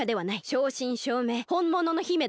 しょうしんしょうめいほんものの姫だ。